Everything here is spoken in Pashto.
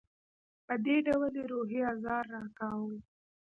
په دې ډول یې روحي آزار راکاوه.